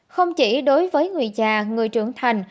không chỉ đối với người già người trưởng thành